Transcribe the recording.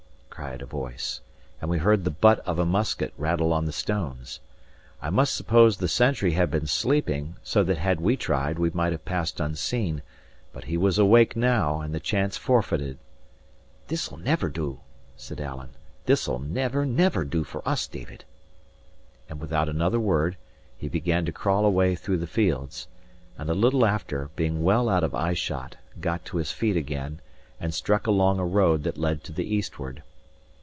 cried a voice, and we heard the butt of a musket rattle on the stones. I must suppose the sentry had been sleeping, so that had we tried, we might have passed unseen; but he was awake now, and the chance forfeited. "This'll never do," said Alan. "This'll never, never do for us, David." And without another word, he began to crawl away through the fields; and a little after, being well out of eye shot, got to his feet again, and struck along a road that led to the eastward.